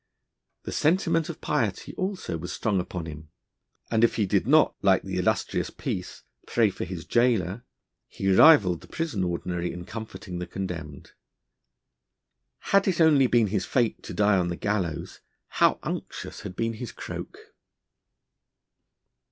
The sentiment of piety also was strong upon him, and if he did not, like the illustrious Peace, pray for his jailer, he rivalled the Prison Ordinary in comforting the condemned. Had it only been his fate to die on the gallows, how unctuous had been his croak!